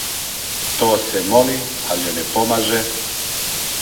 То се моли, ал' јој не помаже,